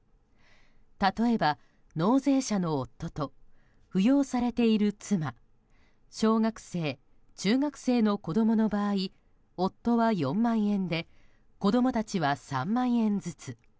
例えば、納税者の夫と扶養されている妻小学生、中学生の子供の場合夫は４万円で子供たちは３万円ずつ。